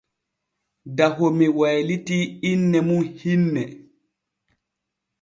Dahome waylitii inne mum hinne.